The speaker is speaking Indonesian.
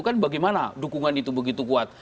kan bagaimana dukungan itu begitu kuat